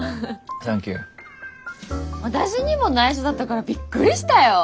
私にも内緒だったからびっくりしたよ。